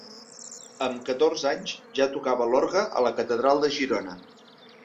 Amb catorze anys ja tocava l'orgue a la catedral de Girona.